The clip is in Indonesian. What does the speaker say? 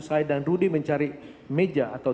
saya dan rudy mencari meja atau